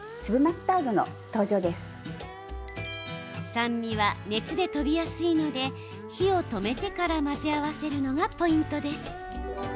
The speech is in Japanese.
酸味は熱で飛びやすいので火を止めてから混ぜ合わせるのがポイントです。